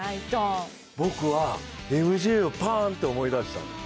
僕は、ＭＪをパーンと思い出したの。